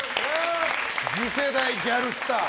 次世代ギャルスター。